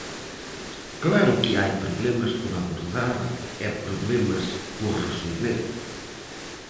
Claro que hai problemas por abordar e problemas por resolver.